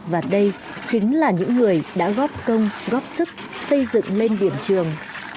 và đây chính là những người đã góp công góp sức xây dựng lên điểm trường